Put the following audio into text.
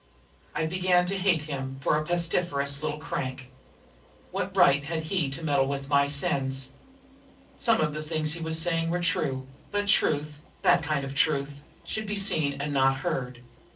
I began to hate him for a pestiferous little crank. What right had he to meddle with my sins? Some of the things he was saying were true; and truth that kind of truth should be seen and not heard.